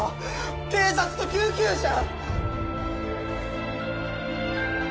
警察と救急車！